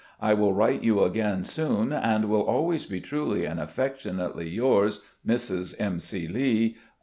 I will Avrite you again soon, and will always be truly and affectionately yours, "Mrs.M.C. Lee.